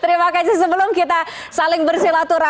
terima kasih sebelum kita saling bersilaturahmi